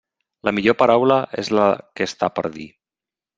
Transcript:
La millor paraula és la que està per dir.